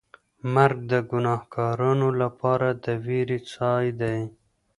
مرګ د ګناهکارانو لپاره د وېرې ځای دی.